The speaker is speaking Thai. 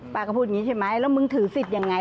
ป้าก็พูดอย่างนี้ใช่ไหมแล้วมึงถือศิษฐ์อย่างไร